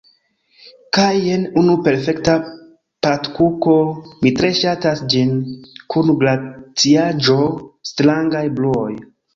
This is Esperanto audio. Kaj jen unu perfekta patkuko, mi tre ŝatas ĝin, kun glaciaĵo. strangaj bruoj